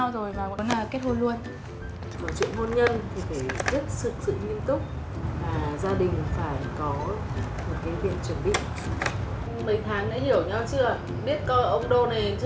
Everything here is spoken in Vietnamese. tối hai đô